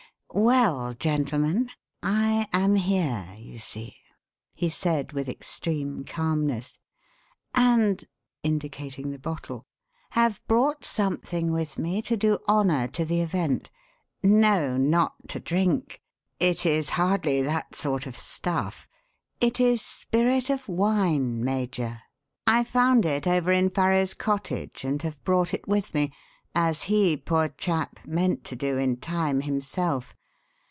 "Well, gentlemen, I am here, you see," he said with extreme calmness. "And" indicating the bottle "have brought something with me to do honour to the event. No, not to drink it is hardly that sort of stuff. It is Spirit of Wine, Major. I found it over in Farrow's cottage and have brought it with me as he, poor chap, meant to do in time himself.